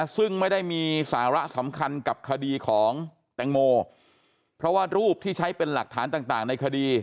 ซึ่งไม่ได้มีสาระสำคัญกับคดีของแตงโมเพราะว่ารูปที่ใช้เป็นหลักฐานต่างในคดี